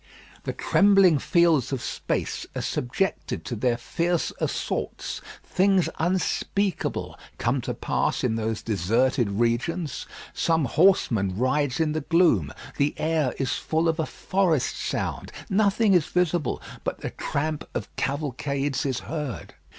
The trembling fields of space are subjected to their fierce assaults. Things unspeakable come to pass in those deserted regions. Some horseman rides in the gloom; the air is full of a forest sound; nothing is visible; but the tramp of cavalcades is heard.